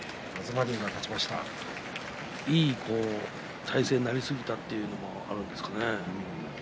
いい体勢になりすぎたということもあるんですかね。